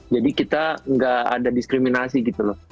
jadi kita nggak ada diskriminasi gitu loh